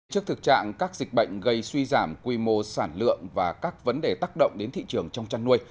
trước thực trạng các dịch bệnh gây suy giảm quy mô sản lượng và các vấn đề tác động đến thị trường trong chăn nuôi